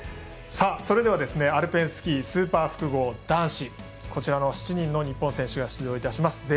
それではアルペンスキースーパー複合男子７人の日本選手が出場いたします。